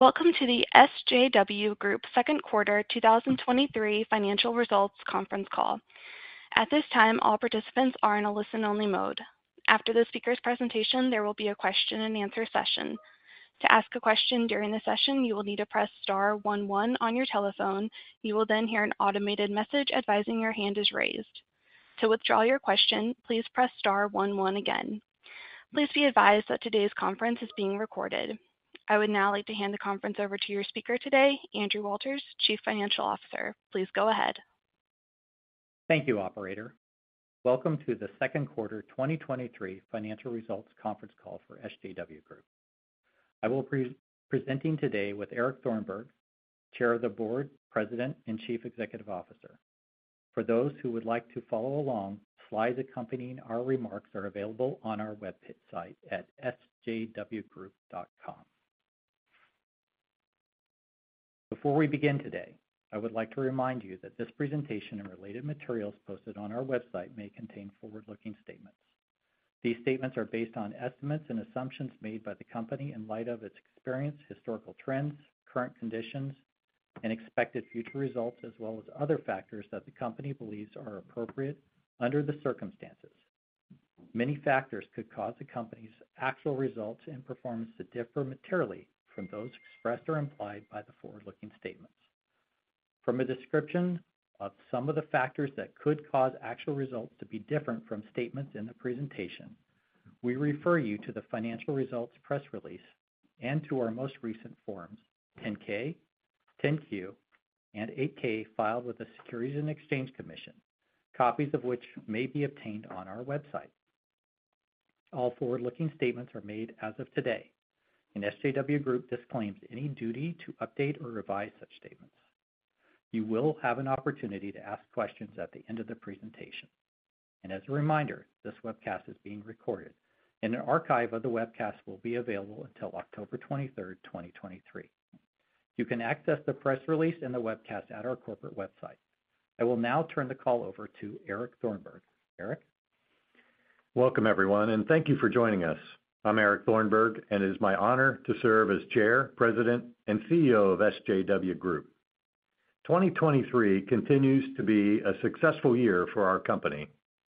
Welcome to the SJW Group Q2 2023 financial results conference call. At this time, all participants are in a listen-only mode. After the speaker's presentation, there will be a question and answer session. To ask a question during the session, you will need to press star 11 on your telephone. You will then hear an automated message advising your hand is raised. To withdraw your question, please press star 11 again. Please be advised that today's conference is being recorded. I would now like to hand the conference over to your speaker today, Andrew Walters, Chief Financial Officer. Please go ahead. Thank you, operator. Welcome to the Q2 2023 financial results conference call for SJW Group. I will be presenting today with Eric Thornburg, Chair of the Board, President, and Chief Executive Officer. For those who would like to follow along, slides accompanying our remarks are available on our website at sjwgroup.com. Before we begin today, I would like to remind you that this presentation and related materials posted on our website may contain forward-looking statements. These statements are based on estimates and assumptions made by the company in light of its experience, historical trends, current conditions, and expected future results, as well as other factors that the company believes are appropriate under the circumstances. Many factors could cause the company's actual results and performance to differ materially from those expressed or implied by the forward-looking statements. From a description of some of the factors that could cause actual results to be different from statements in the presentation, we refer you to the financial results press release and to our most recent forms, 10-K, 10-Q, and 8-K, filed with the Securities and Exchange Commission, copies of which may be obtained on our website. All forward-looking statements are made as of today. SJW Group disclaims any duty to update or revise such statements. You will have an opportunity to ask questions at the end of the presentation. As a reminder, this webcast is being recorded, and an archive of the webcast will be available until October 23rd, 2023. You can access the press release and the webcast at our corporate website. I will now turn the call over to Eric Thornburg. Eric? Welcome, everyone, and thank you for joining us. I'm Eric Thornburg. It is my honor to serve as Chair, President, and CEO of SJW Group. 2023 continues to be a successful year for our company,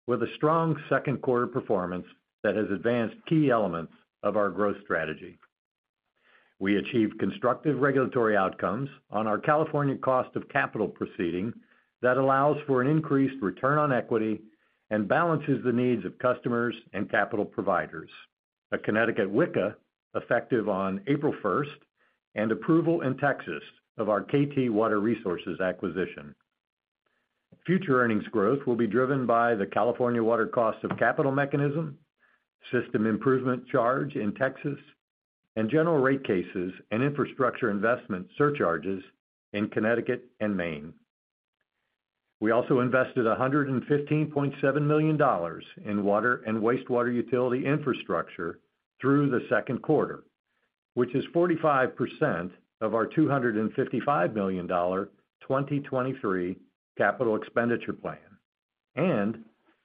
with a strong Q2 performance that has advanced key elements of our growth strategy. We achieved constructive regulatory outcomes on our California cost of capital proceeding that allows for an increased return on equity and balances the needs of customers and capital providers. A Connecticut WICA, effective on April 1st. Approval in Texas of our KT Water Resources acquisition. Future earnings growth will be driven by the California water cost of capital mechanism, system improvement charge in Texas, and general rate cases and infrastructure investment surcharges in Connecticut and Maine. We also invested $115.7 million in water and wastewater utility infrastructure through the Q2, which is 45% of our $255 million 2023 CapEx plan, and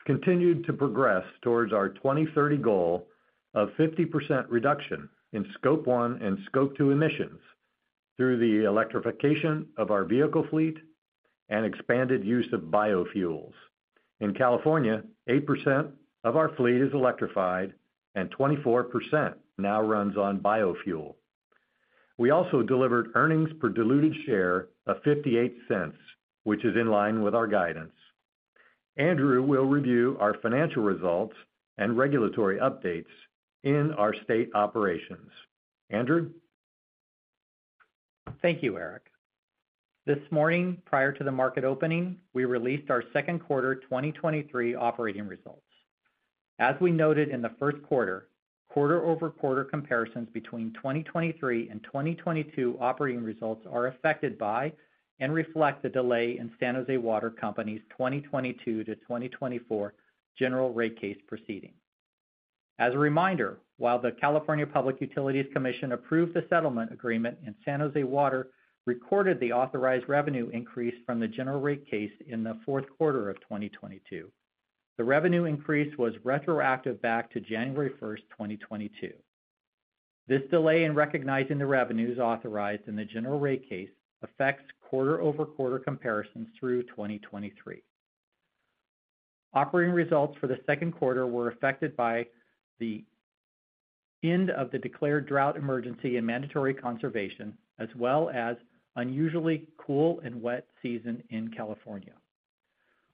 continued to progress towards our 2030 goal of 50% reduction in Scope One and Scope Two emissions through the electrification of our vehicle fleet and expanded use of biofuels. In California, 8% of our fleet is electrified and 24% now runs on biofuel. We also delivered earnings per diluted share of $0.58, which is in line with our guidance. Andrew will review our financial results and regulatory updates in our state operations. Andrew? Thank you, Eric. This morning, prior to the market opening, we released our Q2 2023 operating results. As we noted in the Q1, quarter-over-quarter comparisons between 2023 and 2022 operating results are affected by and reflect the delay in San Jose Water Company's 2022 to 2024 general rate case proceeding. As a reminder, while the California Public Utilities Commission approved the settlement agreement and San Jose Water recorded the authorized revenue increase from the general rate case in the Q4 of 2022, the revenue increase was retroactive back to January 1st, 2022. This delay in recognizing the revenues authorized in the general rate case affects quarter-over-quarter comparisons through 2023. Operating results for the Q2 were affected by the end of the declared drought emergency and mandatory conservation, as well as unusually cool and wet season in California.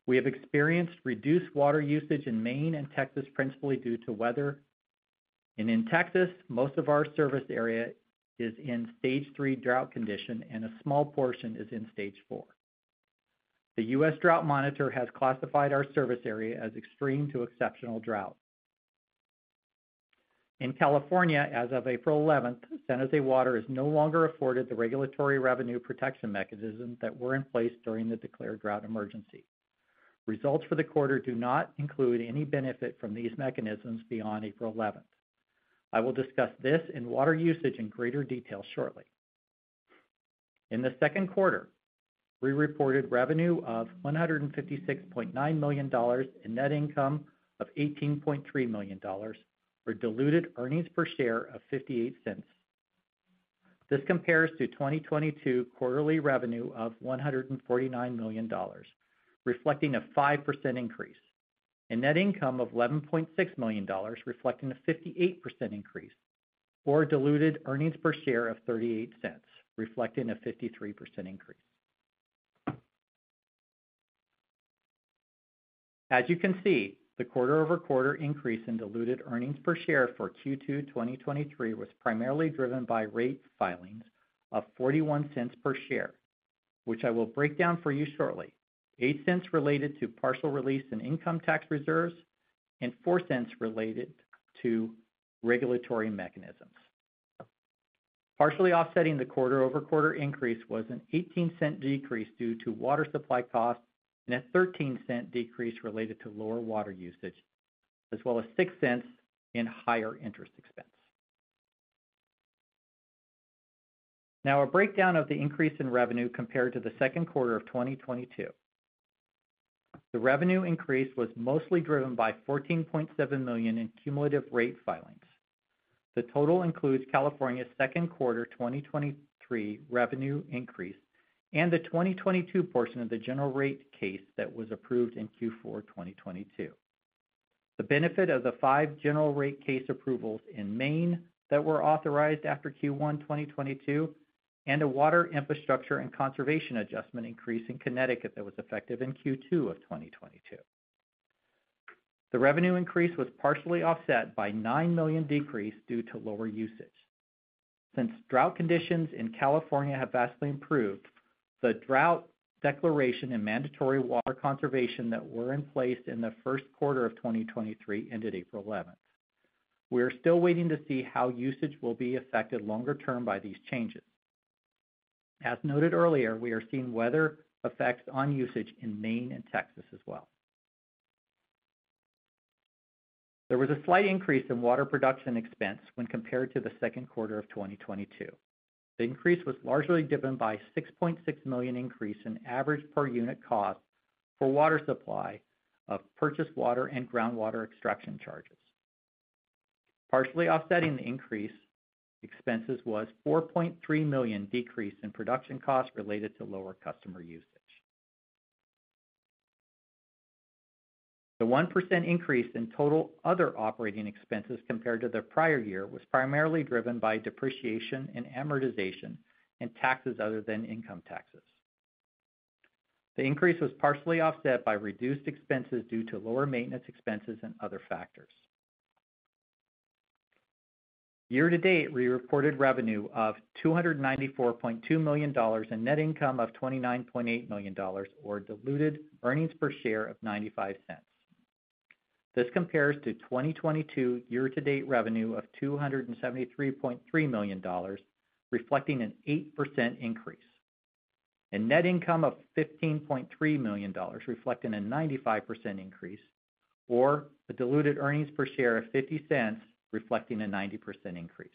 We have experienced reduced water usage in Maine and Texas, principally due to weather. In Texas, most of our service area is in stage three drought condition and a small portion is in stage four. The U.S. Drought Monitor has classified our service area as extreme to exceptional drought. In California, as of April 11, San Jose Water is no longer afforded the regulatory revenue protection mechanisms that were in place during the declared drought emergency. Results for the quarter do not include any benefit from these mechanisms beyond April 11. I will discuss this in water usage in greater detail shortly.... In the Q2, we reported revenue of $156.9 million and net income of $18.3 million, or diluted earnings per share of $0.58. This compares to 2022 quarterly revenue of $149 million, reflecting a 5% increase, and net income of $11.6 million, reflecting a 58% increase, or diluted earnings per share of $0.38, reflecting a 53% increase. As you can see, the quarter-over-quarter increase in diluted earnings per share for Q2 2023 was primarily driven by rate filings of $0.41 per share, which I will break down for you shortly. $0.08 related to partial release and income tax reserves, and $0.04 related to regulatory mechanisms. Partially offsetting the quarter-over-quarter increase was an $0.18 decrease due to water supply costs, and a $0.13 decrease related to lower water usage, as well as $0.06 in higher interest expense. Now, a breakdown of the increase in revenue compared to the Q2 of 2022. The revenue increase was mostly driven by $14.7 million in cumulative rate filings. The total includes California's Q2 2023 revenue increase and the 2022 portion of the general rate case that was approved in Q4 2022. The benefit of the 5 general rate case approvals in Maine that were authorized after Q1 2022, and a water infrastructure and conservation adjustment increase in Connecticut that was effective in Q2 of 2022. The revenue increase was partially offset by $9 million decrease due to lower usage. Since drought conditions in California have vastly improved, the drought declaration and mandatory water conservation that were in place in the Q1 of 2023 ended April 11th. We are still waiting to see how usage will be affected longer term by these changes. As noted earlier, we are seeing weather effects on usage in Maine and Texas as well. There was a slight increase in water production expense when compared to the Q2 of 2022. The increase was largely driven by a $6.6 million increase in average per unit cost for water supply of purchased water and groundwater extraction charges. Partially offsetting the increase expenses was $4.3 million decrease in production costs related to lower customer usage. The 1% increase in total other operating expenses compared to the prior year, was primarily driven by depreciation and amortization, and taxes other than income taxes. The increase was partially offset by reduced expenses due to lower maintenance expenses and other factors. Year-to-date, we reported revenue of $294.2 million and net income of $29.8 million, or diluted earnings per share of $0.95. This compares to 2022 year-to-date revenue of $273.3 million, reflecting an 8% increase, and net income of $15.3 million, reflecting a 95% increase, or a diluted earnings per share of $0.50, reflecting a 90% increase.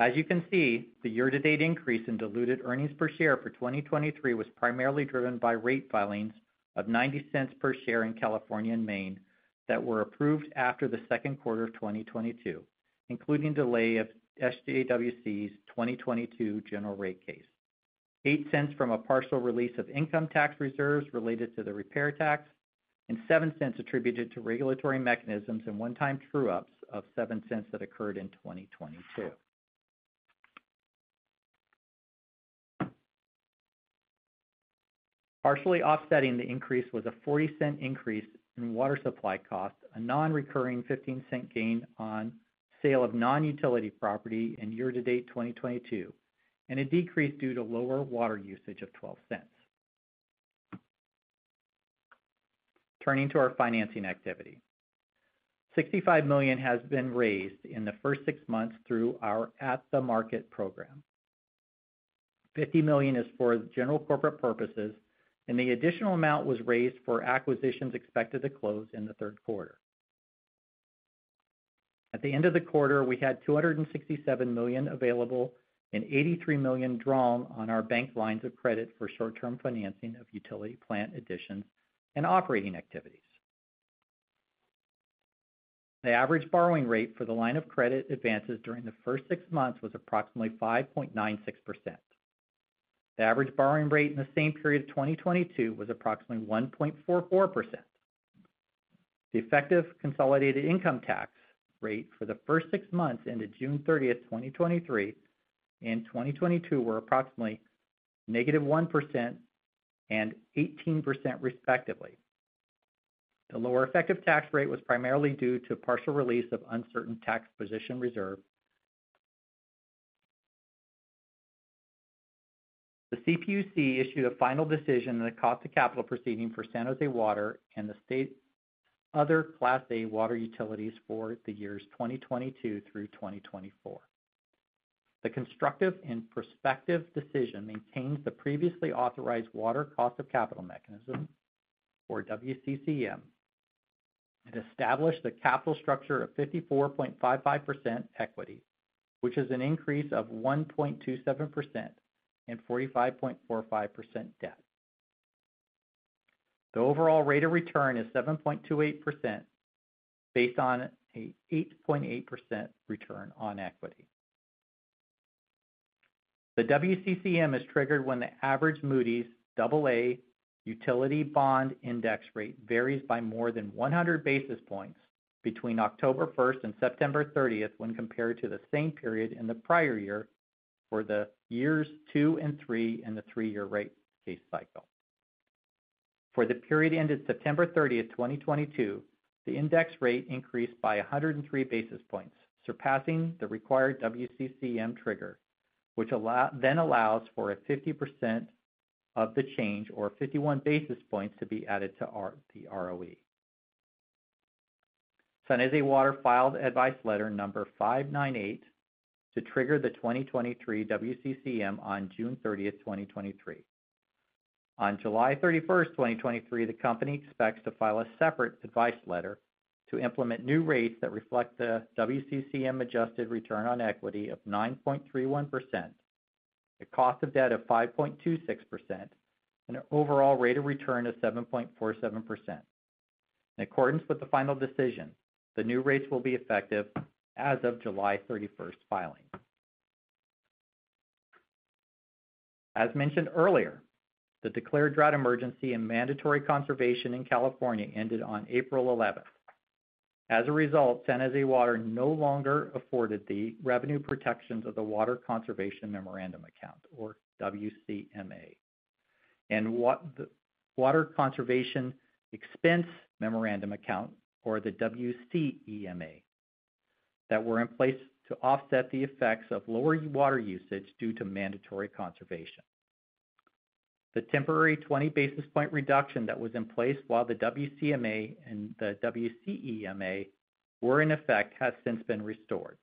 As you can see, the year-to-date increase in diluted earnings per share for 2023 was primarily driven by rate filings of $0.90 per share in California and Maine that were approved after the Q2 of 2022, including delay of SJW's 2022 general rate case. $0.08 from a partial release of income tax reserves related to the repair tax, and $0.07 attributed to regulatory mechanisms and one-time true ups of $0.07 that occurred in 2022. Partially offsetting the increase was a $0.40 increase in water supply costs, a non-recurring $0.15 gain on sale of non-utility property in year-to-date 2022, and a decrease due to lower water usage of $0.12. Turning to our financing activity. $65 million has been raised in the first six months through our at the market program. $50 million is for general corporate purposes, and the additional amount was raised for acquisitions expected to close in the Q3. At the end of the quarter, we had $267 million available and $83 million drawn on our bank lines of credit for short-term financing of utility plant additions and operating activities. The average borrowing rate for the line of credit advances during the first six months was approximately 5.96%. The average borrowing rate in the same period of 2022 was approximately 1.44%. The effective consolidated income tax rate for the first six months ended June 30th, 2023 and 2022, were approximately -1% and 18% respectively. The lower effective tax rate was primarily due to a partial release of uncertain tax position reserve. The CPUC issued a final decision in the cost of capital proceeding for San Jose Water and the state other Class A water utilities for the years 2022-2024. The constructive and prospective decision maintains the previously authorized water cost of capital mechanism, or WCCM. Established a capital structure of 54.55% equity, which is an increase of 1.27% and 45.45% debt. The overall rate of return is 7.28%, based on a 8.8% return on equity. The WCCM is triggered when the average Moody's Aa Utility Bond Index rate varies by more than 100 basis points between October 1st and September 30th when compared to the same period in the prior year for the years two and three in the three-year rate case cycle. For the period ended September 30th, 2022, the index rate increased by 103 basis points, surpassing the required WCCM trigger, which then allows for a 50% of the change or 51 basis points to be added to the ROE. San Jose Water filed Advice Letter 598 to trigger the 2023 WCCM on June 30, 2023. On July 31, 2023, the company expects to file a separate advice letter to implement new rates that reflect the WCCM-adjusted return on equity of 9.31%, a cost of debt of 5.26%, and an overall rate of return of 7.47%. In accordance with the final decision, the new rates will be effective as of July 31 filing. As mentioned earlier, the declared drought emergency and mandatory conservation in California ended on April 11. As a result, San Jose Water no longer afforded the revenue protections of the Water Conservation Memorandum Account, or WCMA, and the Water Conservation Expense Memorandum Account, or the WCEMA, that were in place to offset the effects of lower water usage due to mandatory conservation. The temporary 20 basis point reduction that was in place while the WCMA and the WCEMA were in effect, has since been restored.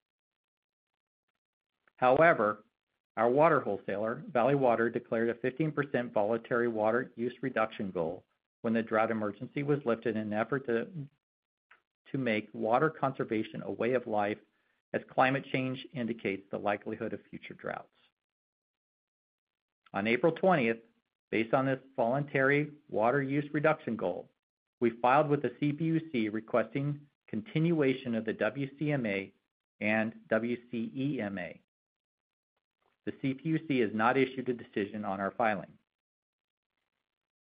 However, our water wholesaler, Valley Water, declared a 15% voluntary water use reduction goal when the drought emergency was lifted, in an effort to make water conservation a way of life, as climate change indicates the likelihood of future droughts. On April 20th, based on this voluntary water use reduction goal, we filed with the CPUC, requesting continuation of the WCMA and WCEMA. The CPUC has not issued a decision on our filing.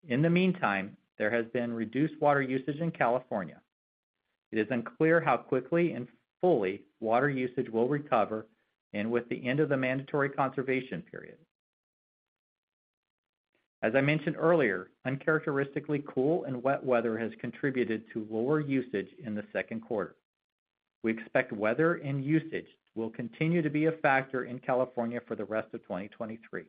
In the meantime, there has been reduced water usage in California. It is unclear how quickly and fully water usage will recover, and with the end of the mandatory conservation period. As I mentioned earlier, uncharacteristically cool and wet weather has contributed to lower usage in the Q2. We expect weather and usage will continue to be a factor in California for the rest of 2023.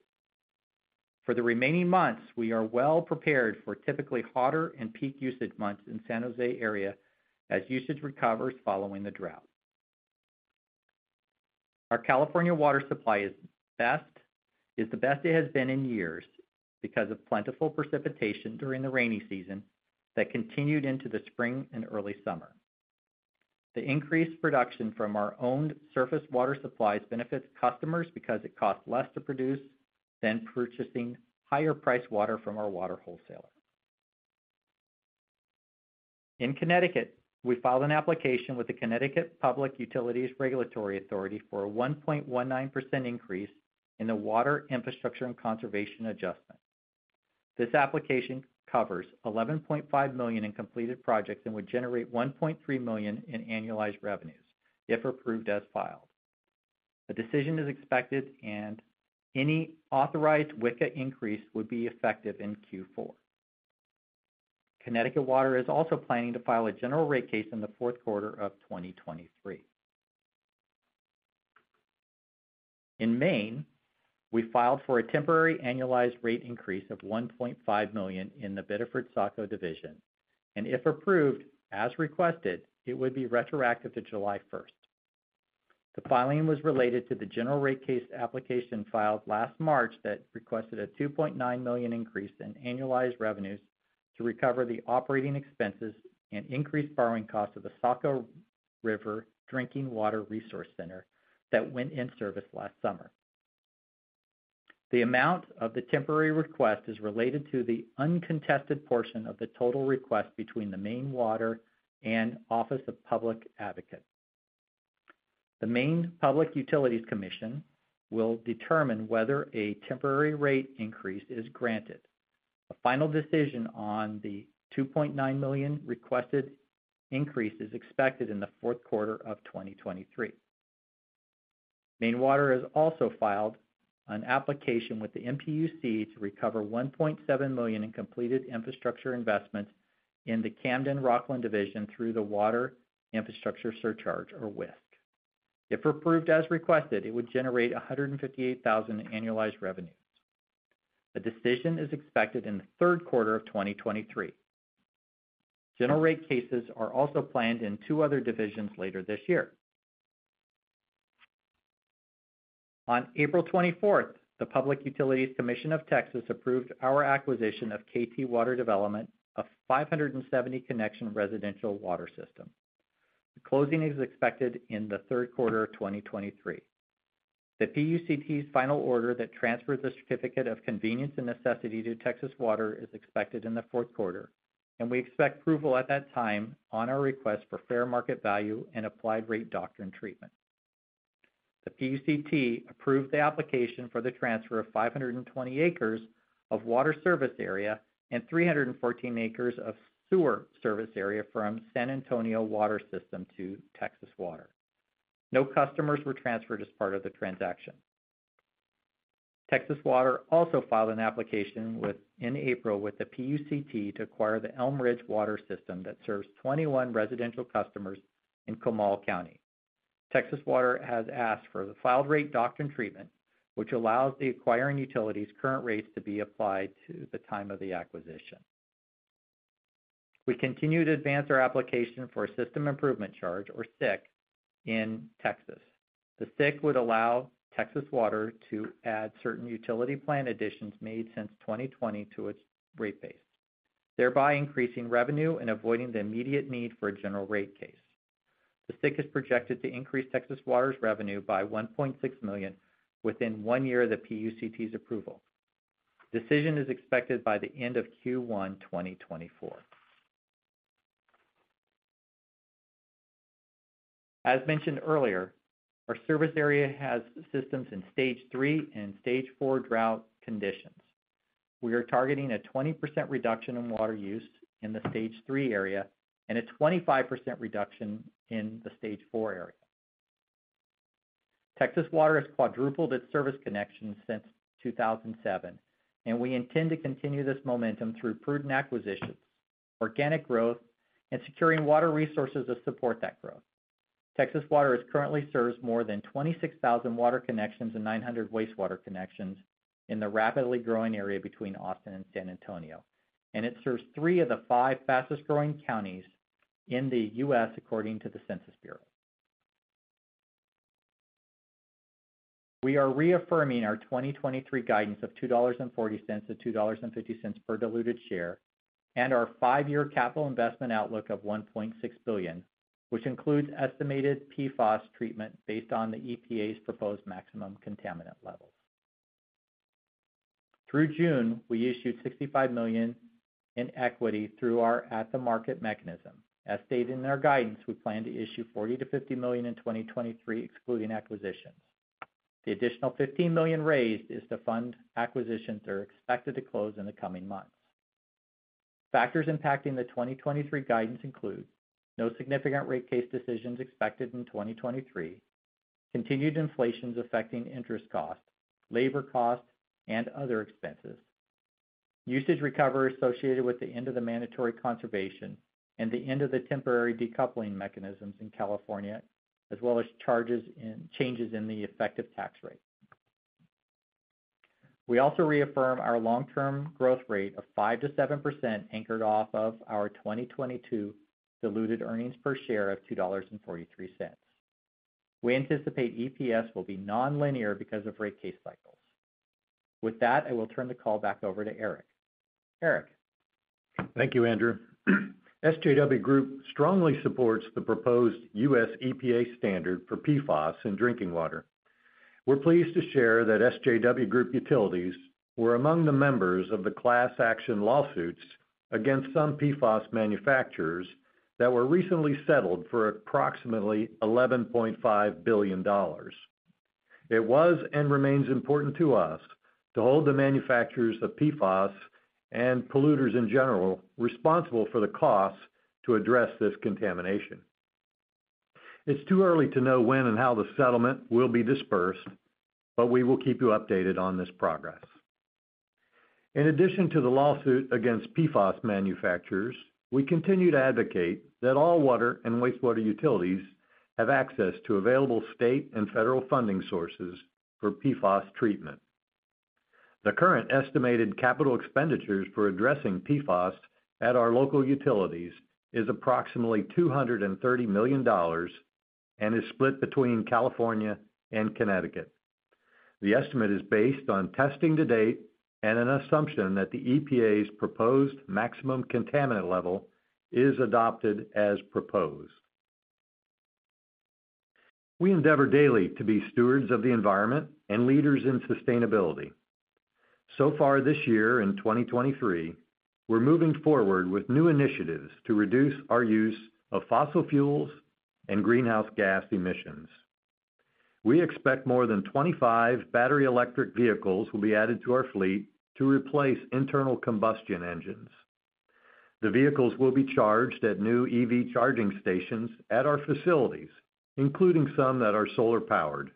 For the remaining months, we are well prepared for typically hotter and peak usage months in San Jose area as usage recovers following the drought. Our California water supply is the best it has been in years because of plentiful precipitation during the rainy season that continued into the spring and early summer. The increased production from our owned surface water supplies benefits customers because it costs less to produce than purchasing higher priced water from our water wholesaler. In Connecticut, we filed an application with the Connecticut Public Utilities Regulatory Authority for a 1.19% increase in the water infrastructure and conservation adjustment. This application covers $11.5 million in completed projects and would generate $1.3 million in annualized revenues if approved as filed. A decision is expected, and any authorized WICCA increase would be effective in Q4. Connecticut Water is also planning to file a general rate case in the Q4 of 2023. In Maine, we filed for a temporary annualized rate increase of $1.5 million in the Biddeford Saco division, and if approved, as requested, it would be retroactive to July 1st. The filing was related to the general rate case application filed last March that requested a $2.9 million increase in annualized revenues to recover the operating expenses and increased borrowing costs of the Saco River Drinking Water Resource Center that went in service last summer. The amount of the temporary request is related to the uncontested portion of the total request between the Maine Water and Office of Public Advocate. The Maine Public Utilities Commission will determine whether a temporary rate increase is granted. A final decision on the $2.9 million requested increase is expected in the Q4r of 2023. Maine Water has also filed an application with the MPUC to recover $1.7 million in completed infrastructure investments in the Camden Rockland Division through the Water Infrastructure Surcharge, or WISC. If approved as requested, it would generate $158,000 in annualized revenues. A decision is expected in the Q3 of 2023. General rate cases are also planned in 2 other divisions later this year. On April 24th, the Public Utility Commission of Texas approved our acquisition of KT Water Development, a 570 connection residential water system. The closing is expected in the Q3 of 2023. The PUCT's final order that transfers the certificate of convenience and necessity to Texas Water is expected in the Q4, and we expect approval at that time on our request for fair market value and applied rate doctrine treatment. The PUCT approved the application for the transfer of 520 acres of water service area and 314 acres of sewer service area from San Antonio Water System to Texas Water. No customers were transferred as part of the transaction. Texas Water also filed an application in April with the PUCT to acquire the Elm Ridge Water System that serves 21 residential customers in Comal County. Texas Water has asked for the filed rate doctrine treatment, which allows the acquiring utility's current rates to be applied to the time of the acquisition. We continue to advance our application for a system improvement charge, or SIC, in Texas. The SIC would allow Texas Water to add certain utility plan additions made since 2020 to its rate base, thereby increasing revenue and avoiding the immediate need for a general rate case. The SIC is projected to increase Texas Water's revenue by $1.6 million within one year of the PUCT's approval. Decision is expected by the end of Q1, 2024. As mentioned earlier, our service area has systems in Stage three and Stage four drought conditions. We are targeting a 20% reduction in water use in the Stage three area and a 25% reduction in the Stage four area. Texas Water has quadrupled its service connections since 2007, and we intend to continue this momentum through prudent acquisitions, organic growth, and securing water resources to support that growth. Texas Water currently serves more than 26,000 water connections and 900 wastewater connections in the rapidly growing area between Austin and San Antonio, and it serves 3 of the 5 fastest-growing counties in the U.S., according to the Census Bureau. We are reaffirming our 2023 guidance of $2.40-$2.50 per diluted share and our five-year capital investment outlook of $1.6 billion, which includes estimated PFAS treatment based on the EPA's proposed maximum contaminant levels. Through June, we issued $65 million in equity through our at-the-market mechanism. As stated in our guidance, we plan to issue $40 million-$50 million in 2023, excluding acquisitions. The additional $15 million raised is to fund acquisitions that are expected to close in the coming months. Factors impacting the 2023 guidance include no significant rate case decisions expected in 2023, continued inflation affecting interest costs, labor costs, and other expenses, usage recovery associated with the end of the mandatory conservation and the end of the temporary decoupling mechanisms in California, as well as changes in the effective tax rate. We also reaffirm our long-term growth rate of 5%-7%, anchored off of our 2022 diluted earnings per share of $2.43. We anticipate EPS will be nonlinear because of rate case cycles. With that, I will turn the call back over to Eric. Eric? Thank you, Andrew. SJW Group strongly supports the proposed U.S. EPA standard for PFAS in drinking water. We're pleased to share that SJW Group Utilities were among the members of the class action lawsuits against some PFAS manufacturers that were recently settled for approximately $11.5 billion. It was and remains important to us to hold the manufacturers of PFAS and polluters in general responsible for the costs to address this contamination. It's too early to know when and how the settlement will be dispersed, but we will keep you updated on this progress. In addition to the lawsuit against PFAS manufacturers, we continue to advocate that all water and wastewater utilities have access to available state and federal funding sources for PFAS treatment. The current estimated capital expenditures for addressing PFAS at our local utilities is approximately $230 million and is split between California and Connecticut. The estimate is based on testing to date and an assumption that the EPA's proposed maximum contaminant level is adopted as proposed. We endeavor daily to be stewards of the environment and leaders in sustainability. So far this year in 2023, we're moving forward with new initiatives to reduce our use of fossil fuels and greenhouse gas emissions. We expect more than 25 battery electric vehicles will be added to our fleet to replace internal combustion engines. The vehicles will be charged at new EV charging stations at our facilities, including some that are solar-powered.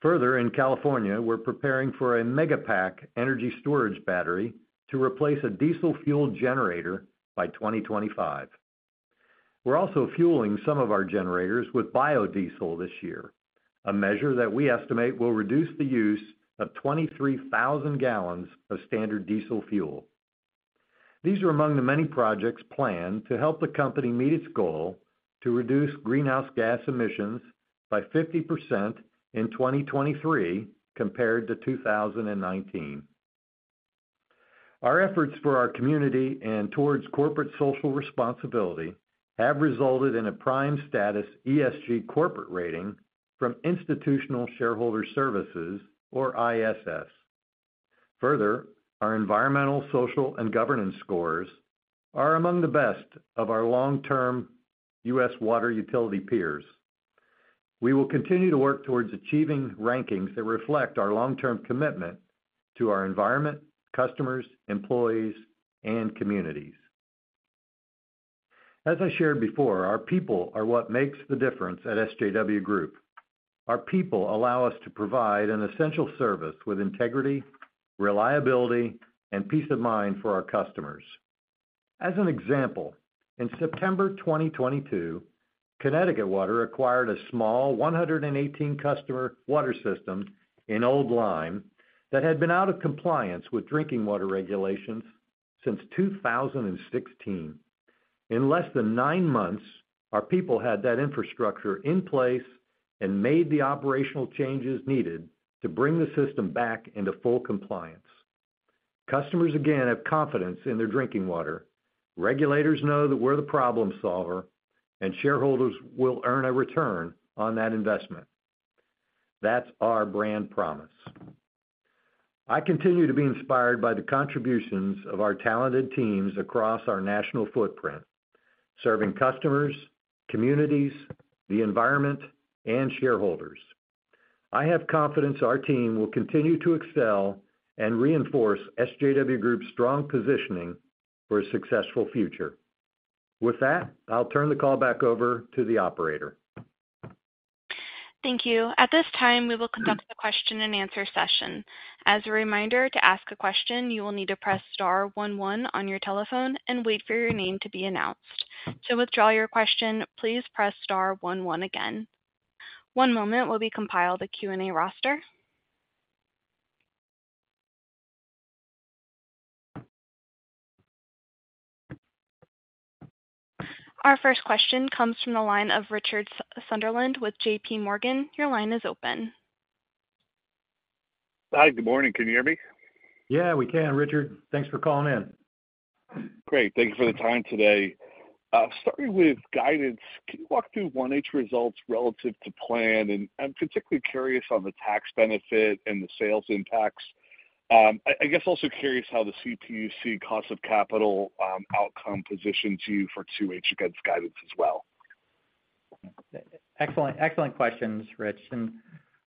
Further, in California, we're preparing for a Megapack energy storage battery to replace a diesel fuel generator by 2025. We're also fueling some of our generators with biodiesel this year, a measure that we estimate will reduce the use of 23,000 gallons of standard diesel fuel. These are among the many projects planned to help the company meet its goal to reduce greenhouse gas emissions by 50% in 2023 compared to 2019. Our efforts for our community and towards corporate social responsibility have resulted in a prime status ESG corporate rating from Institutional Shareholder Services, or ISS. Further, our environmental, social, and governance scores are among the best of our long-term U.S. water utility peers. We will continue to work towards achieving rankings that reflect our long-term commitment to our environment, customers, employees, and communities. As I shared before, our people are what makes the difference at SJW Group. Our people allow us to provide an essential service with integrity, reliability, and peace of mind for our customers. As an example, in September 2022, Connecticut Water acquired a small 118 customer water system in Old Lyme that had been out of compliance with drinking water regulations since 2016. In less than nine months, our people had that infrastructure in place and made the operational changes needed to bring the system back into full compliance. Customers again have confidence in their drinking water, regulators know that we're the problem solver, and shareholders will earn a return on that investment. That's our brand promise. I continue to be inspired by the contributions of our talented teams across our national footprint, serving customers, communities, the environment, and shareholders. I have confidence our team will continue to excel and reinforce SJW Group's strong positioning for a successful future. With that, I'll turn the call back over to the operator. Thank you. At this time, we will conduct the question-and-answer session. As a reminder, to ask a question, you will need to press star 11 on your telephone and wait for your name to be announced. To withdraw your question, please press star 11 again. One moment while we compile the Q&A roster. Our first question comes from the line of Richard Sunderland with J.P. Morgan. Your line is open. Hi, good morning. Can you hear me? Yeah, we can, Richard. Thanks for calling in. Great. Thank you for the time today. Starting with guidance, can you walk through 1H results relative to plan? I'm particularly curious on the tax benefit and the sales impacts. I, I guess also curious how the CPUC cost of capital outcome positions you for 2H against guidance as well. Excellent. Excellent questions, Rich.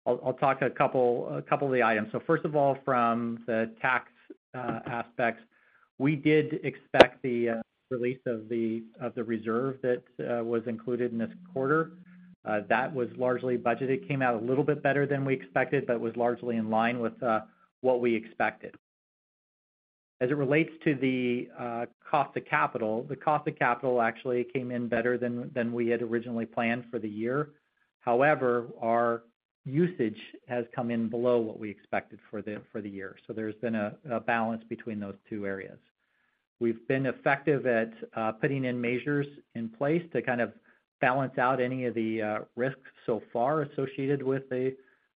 I'll talk a couple of the items. First of all, from the tax aspects, we did expect the release of the reserve that was included in this quarter. That was largely budgeted. It came out a little bit better than we expected, but was largely in line with what we expected. As it relates to the cost of capital, the cost of capital actually came in better than we had originally planned for the year. However, our usage has come in below what we expected for the year, so there's been a balance between those two areas. We've been effective at putting in measures in place to kind of balance out any of the risks so far associated with a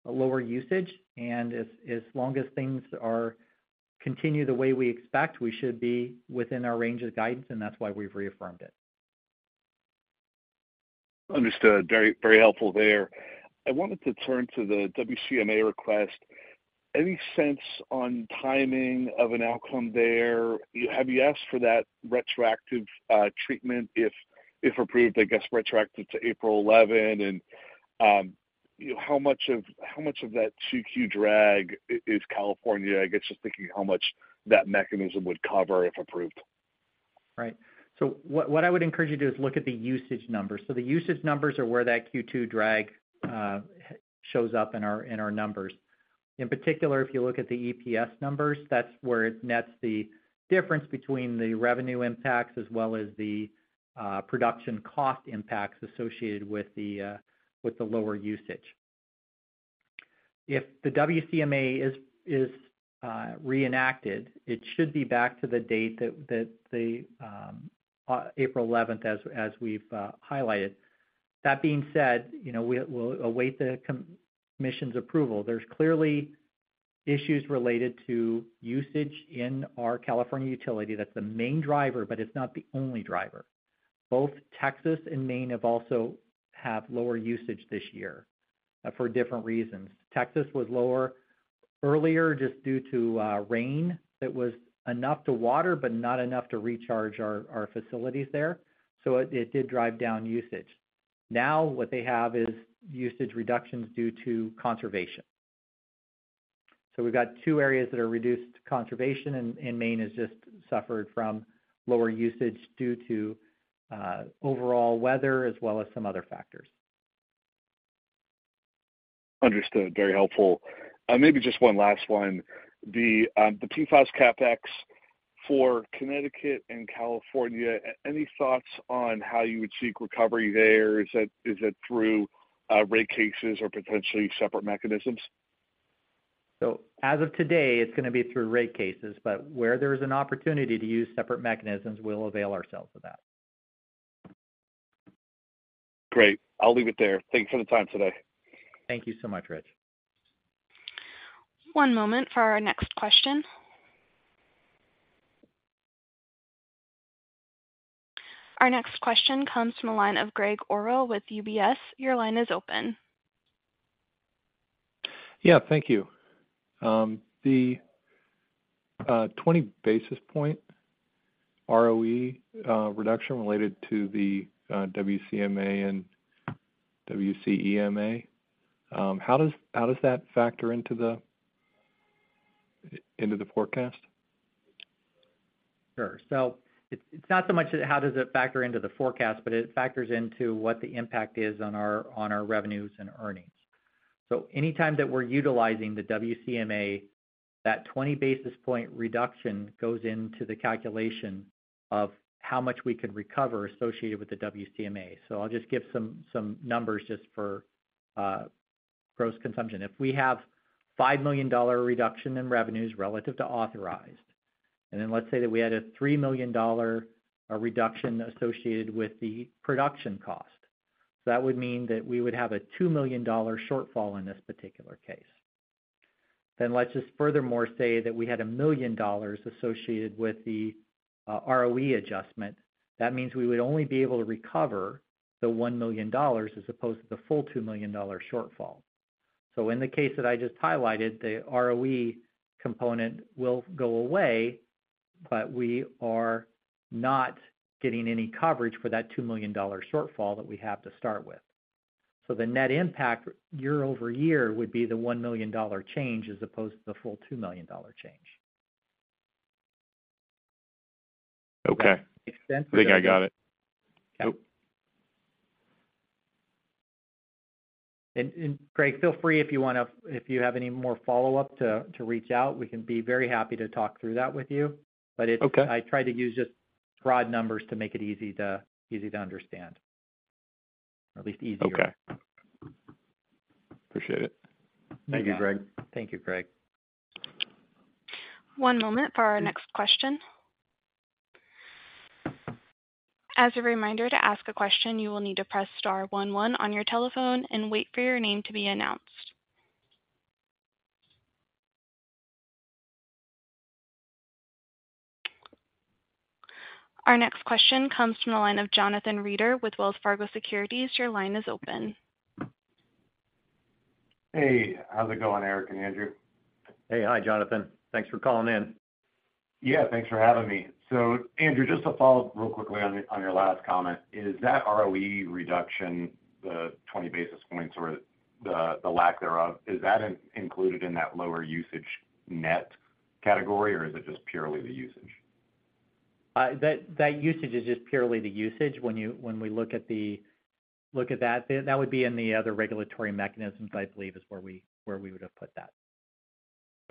lower usage, and as long as things are... continue the way we expect, we should be within our range of guidance, and that's why we've reaffirmed it. Understood. Very, very helpful there. I wanted to turn to the WCMA request. Any sense on timing of an outcome there? Have you asked for that retroactive treatment, if, if approved, I guess, retroactive to April 11? How much of, how much of that 2Q drag is California? I guess, just thinking how much that mechanism would cover if approved. Right. What, what I would encourage you to do is look at the usage numbers. The usage numbers are where that Q2 drag shows up in our, in our numbers. In particular, if you look at the EPS numbers, that's where it nets the difference between the revenue impacts as well as the production cost impacts associated with the lower usage. If the WCMA is, is reenacted, it should be back to the date that the April 11th, as, as we've highlighted. That being said, you know, we'll, we'll await the commission's approval. There's clearly issues related to usage in our California utility. That's the main driver, but it's not the only driver. Both Texas and Maine have also have lower usage this year for different reasons. Texas was lower earlier just due to rain that was enough to water but not enough to recharge our facilities there, so it did drive down usage. What they have is usage reductions due to conservation. We've got two areas that are reduced conservation, and Maine has just suffered from lower usage due to overall weather as well as some other factors. Understood. Very helpful. Maybe just one last one. The PFAS CapEx for Connecticut and California, any thoughts on how you would seek recovery there? Is that, is that through rate cases or potentially separate mechanisms? As of today, it's going to be through rate cases, but where there is an opportunity to use separate mechanisms, we'll avail ourselves of that. Great. I'll leave it there. Thanks for the time today. Thank you so much, Rich. One moment for our next question. Our next question comes from the line of Gregg Orrill with UBS. Your line is open. Yeah, thank you. The 20 basis point ROE reduction related to the WCMA and WCEMA, how does that factor into the forecast? Sure. It's, it's not so much how does it factor into the forecast, but it factors into what the impact is on our, on our revenues and earnings. Anytime that we're utilizing the WCMA, that 20 basis point reduction goes into the calculation of how much we could recover associated with the WCMA. I'll just give some, some numbers just for gross consumption. If we have $5 million reduction in revenues relative to authorized, and then let's say that we had a $3 million reduction associated with the production cost. That would mean that we would have a $2 million shortfall in this particular case. Let's just furthermore say that we had $1 million associated with the ROE adjustment. That means we would only be able to recover the $1 million as opposed to the full $2 million shortfall. In the case that I just highlighted, the ROE component will go away, but we are not getting any coverage for that $2 million shortfall that we have to start with. The net impact year-over-year would be the $1 million change as opposed to the full $2 million change. Okay. Makes sense? I think I got it. Yep. Gregg, feel free if you want to, if you have any more follow-up, to reach out. We can be very happy to talk through that with you, but it's... Okay. I tried to use just broad numbers to make it easy to, easy to understand, or at least easier. Okay. Appreciate it. Thank you, Greg. Thank you, Greg. One moment for our next question. As a reminder, to ask a question, you will need to press star 11 on your telephone and wait for your name to be announced. Our next question comes from the line of Jonathan Reeder with Wells Fargo Securities. Your line is open. Hey, how's it going, Eric and Andrew? Hey. Hi, Jonathan. Thanks for calling in. Yeah, thanks for having me. Andrew, just to follow up real quickly on your, on your last comment, is that ROE reduction, the 20 basis points or the, the lack thereof, is that included in that lower usage net category, or is it just purely the usage? That, that usage is just purely the usage. When we look at the, look at that, that would be in the other regulatory mechanisms, I believe, is where we, where we would have put that.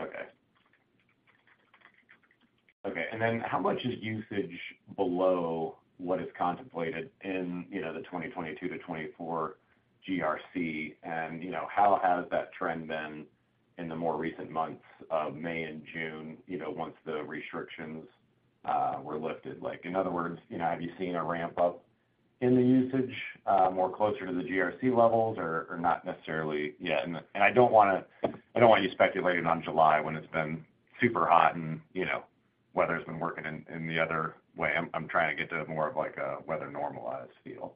Okay. Okay, how much is usage below what is contemplated in, you know, the 2022-2024 GRC? You know, how has that trend been in the more recent months of May and June, you know, once the restrictions were lifted? Like, in other words, you know, have you seen a ramp up in the usage more closer to the GRC levels or, or not necessarily yet? I don't want you speculating on July when it's been super hot and, you know, weather's been working in, in the other way. I'm trying to get to more of, like, a weather-normalized feel.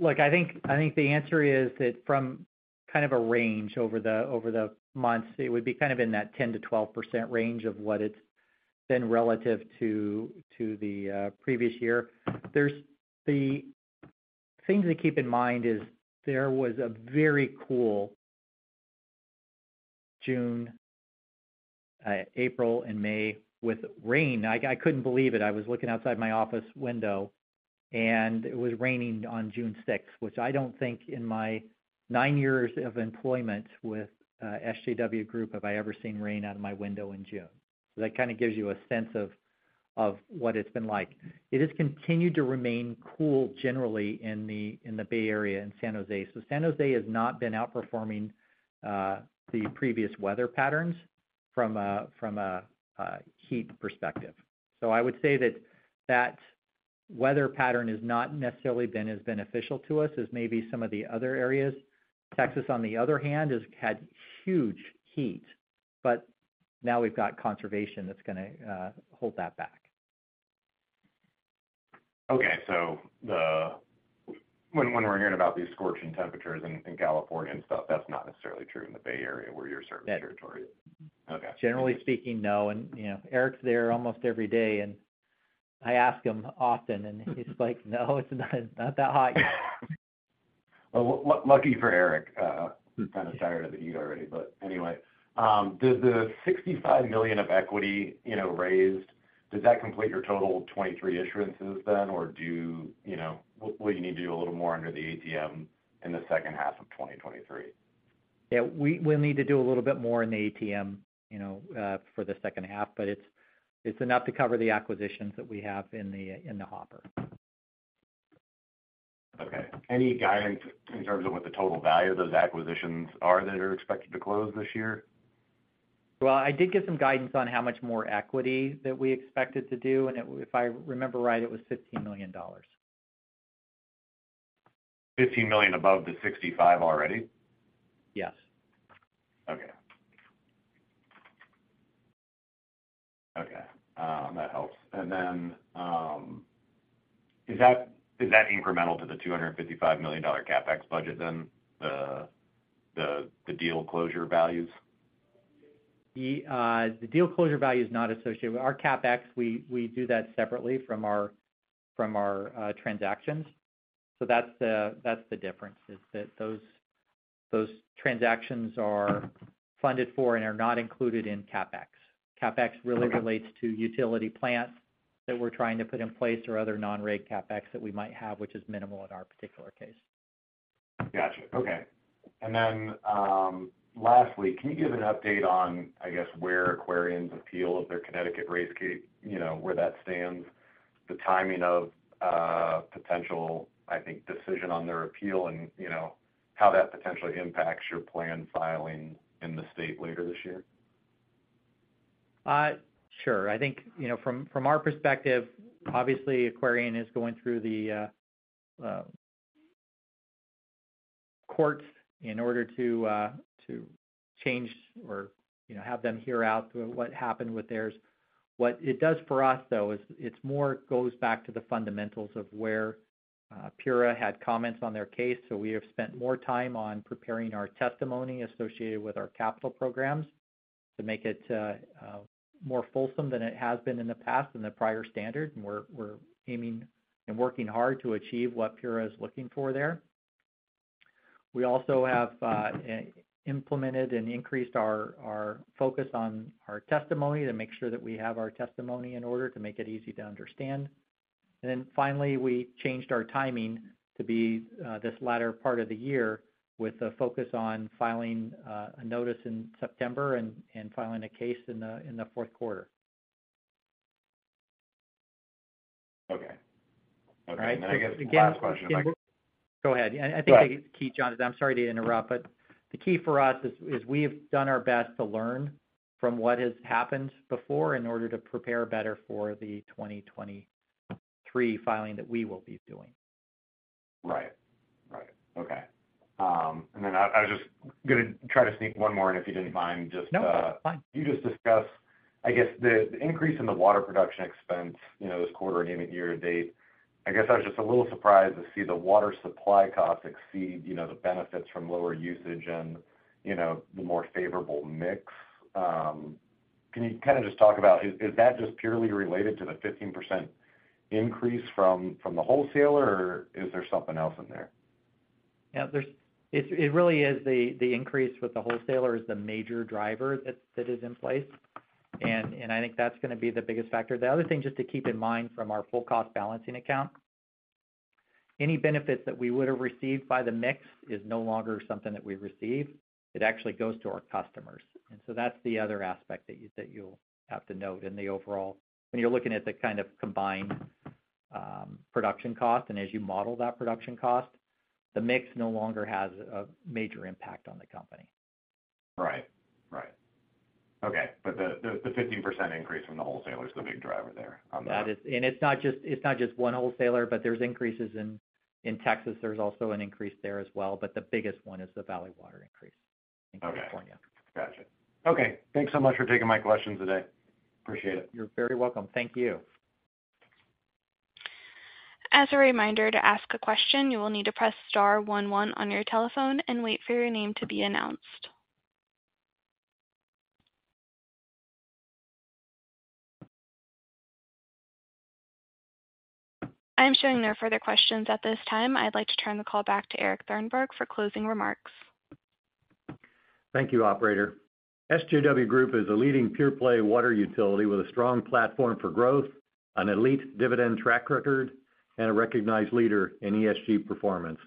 Look, I think, I think the answer is that from kind of a range over the, over the months, it would be kind of in that 10%-12% range of what it's been relative to, to the previous year. The thing to keep in mind is there was a very cool June, April, and May with rain. I, I couldn't believe it. I was looking outside my office window, and it was raining on June sixth, which I don't think in my nine years of employment with SJW Group, have I ever seen rain out of my window in June. That kind of gives you a sense of, of what it's been like. It has continued to remain cool generally in the Bay Area in San Jose. San Jose has not been outperforming the previous weather patterns from a, from a, a heat perspective. I would say that that weather pattern has not necessarily been as beneficial to us as maybe some of the other areas. Texas, on the other hand, has had huge heat, but now we've got conservation that's going to hold that back. Okay. When we're hearing about these scorching temperatures in California and stuff, that's not necessarily true in the Bay Area where your service territory is? Yeah. Okay. Generally speaking, no. You know, Eric's there almost every day, and I ask him often, and he's like: "No, it's not, not that hot yet. Well, lucky for Eric, he's kind of tired of the heat already. Anyway, does the $65 million of equity, you know, raised, does that complete your total 2023 issuances then? Or do you know, will you need to do a little more under the ATM in the second half of 2023? Yeah, we'll need to do a little bit more in the ATM, you know, for the second half. It's enough to cover the acquisitions that we have in the hopper. Okay. Any guidance in terms of what the total value of those acquisitions are that are expected to close this year? Well, I did give some guidance on how much more equity that we expected to do, and it, if I remember right, it was $15 million. $15 million above the $65 already? Yes. Okay. Okay, that helps. Then, is that, is that incremental to the $255 million CapEx budget, then, the, the, the deal closure values? The, the deal closure value is not associated with our CapEx. We, we do that separately from our, from our, transactions. That's the, that's the difference, is that those, those transactions are funded for and are not included in CapEx. CapEx really relates- Okay... to utility plants that we're trying to put in place or other non-reg CapEx that we might have, which is minimal in our particular case. Gotcha. Okay. Lastly, can you give an update on, I guess, where Aquarion's appeal of their Connecticut rate case, you know, where that stands, the timing of potential, I think, decision on their appeal and, you know, how that potentially impacts your plan filing in the state later this year? Sure. I think, you know, from, from our perspective, obviously, Aquarion is going through the courts in order to change or, you know, have them hear out what happened with theirs. What it does for us, though, is it's more goes back to the fundamentals of where PURA had comments on their case. We have spent more time on preparing our testimony associated with our capital programs to make it more fulsome than it has been in the past than the prior standard. We're aiming and working hard to achieve what PURA is looking for there. We also have implemented and increased our focus on our testimony to make sure that we have our testimony in order to make it easy to understand. Then finally, we changed our timing to be, this latter part of the year, with a focus on filing, a notice in September and filing a case in the, in the Q4. Okay. Okay. All right. Then I guess one last question. Go ahead. Go ahead. I think the key, John, I'm sorry to interrupt, but the key for us is, we've done our best to learn from what has happened before in order to prepare better for the 2023 filing that we will be doing. Right. Right. Okay. Then I, I was just gonna try to sneak one more in, if you didn't mind. Just. No, fine. You just discussed, I guess, the increase in the water production expense, you know, this quarter and year to date. I guess I was just a little surprised to see the water supply costs exceed, you know, the benefits from lower usage and, you know, the more favorable mix. Can you kind of just talk about, is, is that just purely related to the 15% increase from, from the wholesaler, or is there something else in there? It really is the, the increase with the wholesaler is the major driver that, that is in place, and, and I think that's going to be the biggest factor. The other thing, just to keep in mind from our Full Cost Balancing Account, any benefits that we would have received by the mix is no longer something that we receive. It actually goes to our customers. That's the other aspect that you, that you'll have to note in the overall when you're looking at the kind of combined, production cost and as you model that production cost, the mix no longer has a major impact on the company. Right. Right. Okay, the, the 15% increase from the wholesaler is the big driver there on that? It's not just, it's not just one wholesaler, there's increases in, in Texas, there's also an increase there as well, the biggest one is the Valley Water increase. Okay. in California. Gotcha. Okay, thanks so much for taking my questions today. Appreciate it. You're very welcome. Thank you. As a reminder, to ask a question, you will need to press star one one on your telephone and wait for your name to be announced. I'm showing no further questions at this time. I'd like to turn the call back to Eric Thornburg for closing remarks. Thank you, operator. SJW Group is a leading pure-play water utility with a strong platform for growth, an elite dividend track record, and a recognized leader in ESG performance.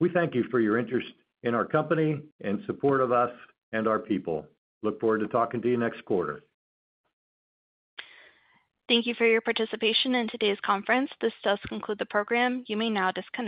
We thank you for your interest in our company and support of us and our people. Look forward to talking to you next quarter. Thank you for your participation in today's conference. This does conclude the program. You may now disconnect.